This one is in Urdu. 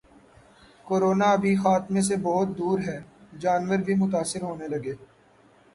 ’کورونا ابھی خاتمے سے بہت دور ہے‘ جانور بھی متاثر ہونے لگے